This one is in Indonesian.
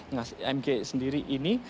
nah mg sendiri ini